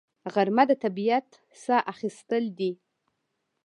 غرمه د طبیعت ساه اخیستل دي